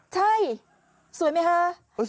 ใช่สวยไหมครับ